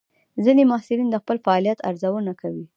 ځینې محصلین د خپل فعالیت ارزونه کوي.